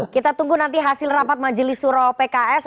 kita tunggu nanti hasil rapat majlis surah pks